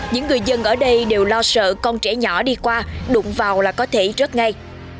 những người dân ở đây đều lo sợ con trẻ nhỏ đi qua đụng vào là có thể rớt ngay